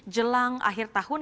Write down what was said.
jelang akhir tahun